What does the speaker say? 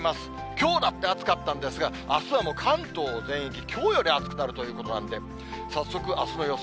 きょうだって暑かったんですが、あすはもう関東全域、きょうより暑くなるということなんで、早速、あすの予想